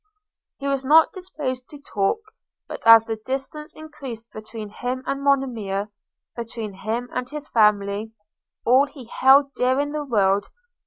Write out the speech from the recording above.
He was not disposed to talk; but as the distance increased between him and Monimia – between him and his family, all he held dear in the world!